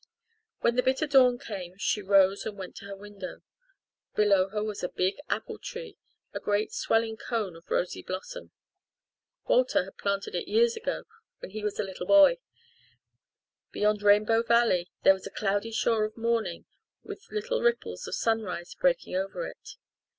When the bitter dawn came she rose and went to her window. Below her was a big apple tree, a great swelling cone of rosy blossom. Walter had planted it years ago when he was a little boy. Beyond Rainbow Valley there was a cloudy shore of morning with little ripples of sunrise breaking over it.